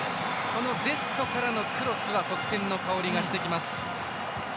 このデストからのクロスは得点の香りがしてきます。